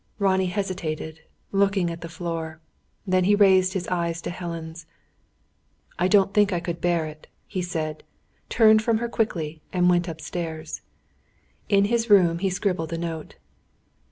Ronnie hesitated, looking at the floor. Then he raised his eyes to Helen's. "I don't think I could bear it," he said, turned from her quickly, and went upstairs. In his room he scribbled a note.